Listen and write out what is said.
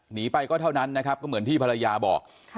หนีไปก็เท่านั้นนะครับก็เหมือนที่ภรรยาบอก